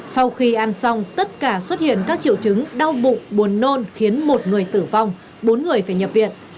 sau khi ăn xong tất cả xuất hiện các triệu chứng đau bụng buồn nôn khiến một người tử vong bốn người phải nhập viện